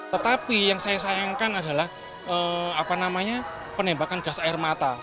tetapi yang saya sayangkan adalah penembakan gas air mata